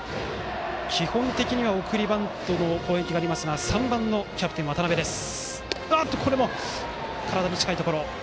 基本的には送りバントの攻撃がありますがバッターは３番のキャプテン、渡邊です。